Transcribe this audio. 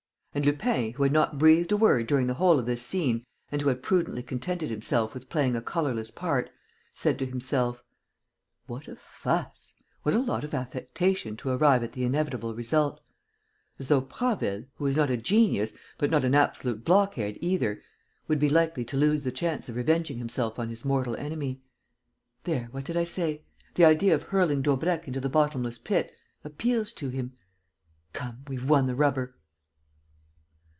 And Lupin, who had not breathed a word during the whole of this scene and who had prudently contented himself with playing a colourless part, said to himself: "What a fuss! What a lot of affectation to arrive at the inevitable result! As though Prasville, who is not a genius, but not an absolute blockhead either, would be likely to lose the chance of revenging himself on his mortal enemy! There, what did I say? The idea of hurling Daubrecq into the bottomless pit appeals to him. Come, we've won the rubber."